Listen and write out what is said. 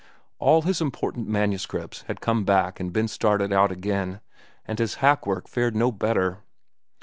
All his important manuscripts had come back and been started out again, and his hack work fared no better.